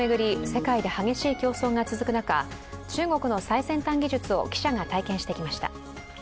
世界で激しい競争が続く中、中国の最先端技術を記者が体験してきました。